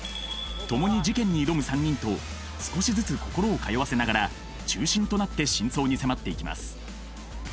共に事件に挑む３人と少しずつ心を通わせながら中心となって真相に迫っていきます